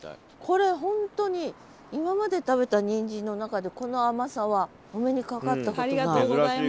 これ本当に今まで食べたにんじんの中でこの甘さはお目にかかったことない。